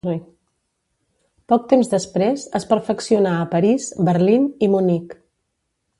Poc temps després, es perfeccionà a París, Berlín i Munic.